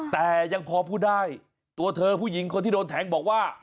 แต่ยังพอพูดได้ตัวเธอผู้หญิงคนที่โดนแทงบอกว่า